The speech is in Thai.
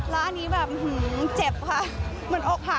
แล้วอันนี้แบบเจ็บค่ะเหมือนอกหัก